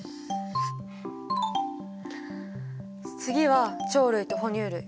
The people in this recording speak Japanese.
次は鳥類と哺乳類。